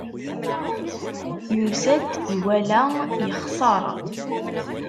Yusa-d, iwala, yexṣer.